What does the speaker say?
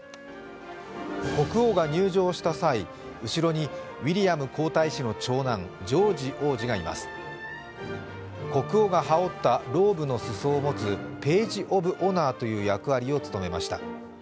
国王が入場した際後ろにウィリアム皇太子の長男ジョージ王子がいます、国王が羽織ったローブの裾を持つページ・オブ・オナーという役割を務めました。